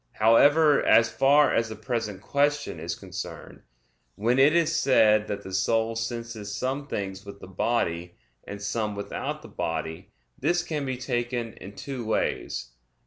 However, as far as the present question is concerned, when it is said that the soul senses some things with the body, and some without the body, this can be taken in two ways.